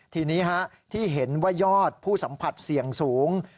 ทีนี้ที่เห็นว่ายอดผู้สัมผัสเสี่ยงสูง